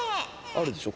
あるでしょ。